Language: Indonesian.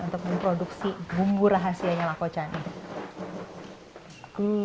untuk memproduksi bumbu rahasianya lako camulus